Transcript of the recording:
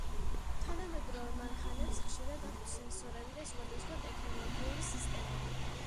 თანამედროვე მანქანებს ხშირად აქვთ სენსორები და სხვადასხვა ტექნოლოგიური სისტემები.